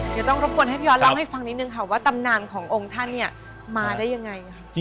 เดี๋ยวต้องรบกวนให้พี่ยอดเล่าให้ฟังนิดนึงค่ะว่าตำนานขององค์ท่านเนี่ยมาได้ยังไง